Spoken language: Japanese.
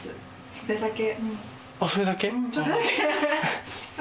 それだけ。